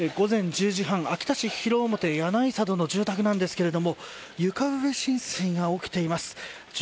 午前１０時半秋田市の住宅なんですが床上浸水が起きています。